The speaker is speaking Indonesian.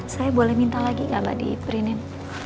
saya boleh minta lagi gak mbak di print in